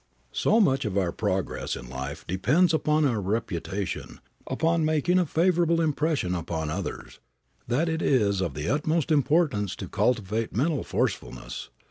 So much of our progress in life depends upon our reputation, upon making a favorable impression upon others, that it is of the utmost importance to cultivate mental forcefulness.